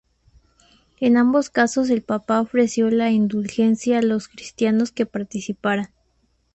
En ambos casos el papa ofreció la Indulgencia a los cristianos que participaran.